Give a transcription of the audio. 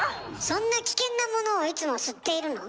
そんな危険なものをいつも吸っているの？